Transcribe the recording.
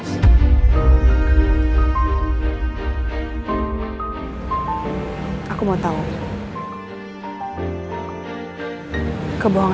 apa yang akan kamu lakukan kepadaku pada saat itu